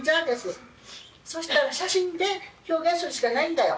そしたら写真で表現するしかないんだよ。